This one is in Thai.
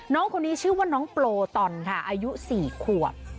น้องคนนี้ชื่อว่าน้องโปรตอนค่ะอายุ๔ขวบ